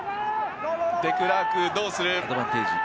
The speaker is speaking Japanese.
デクラーク、どうする？